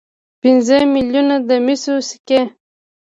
پنځه میلیونه د مسو سکې.